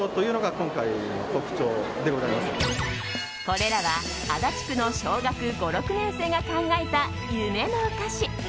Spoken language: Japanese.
これらは足立区の小学５、６年生が考えた夢のお菓子。